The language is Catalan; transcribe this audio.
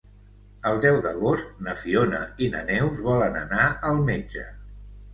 El deu d'agost na Fiona i na Neus volen anar al metge.